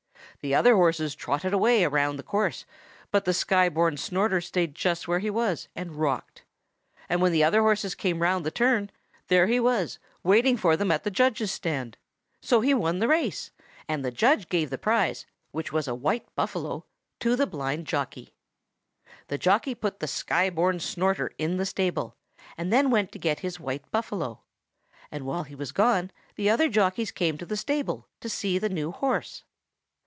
The other horses trotted away round the course, but the Sky born Snorter stayed just where he was, and rocked; and when the other horses came round the turn, there he was waiting for them at the judge's stand. So he won the race; and the judge gave the prize, which was a white buffalo, to the blind jockey. The jockey put the Sky born Snorter in the stable, and then went to get his white buffalo; and while he was gone, the other jockeys came into the stable to see the new horse.